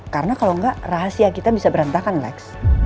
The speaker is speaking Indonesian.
karena kalau gak rahasia kita bisa berantakan lex